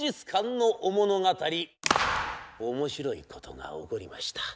面白いことが起こりました。